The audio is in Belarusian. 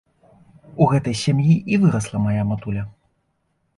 У гэтай сям'і і вырасла мая матуля.